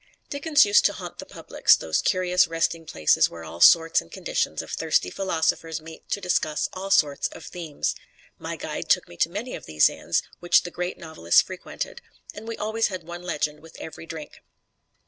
Dickens used to haunt the publics, those curious resting places where all sorts and conditions of thirsty philosophers meet to discuss all sorts of themes. My guide took me to many of these inns which the great novelist frequented, and we always had one legend with every drink.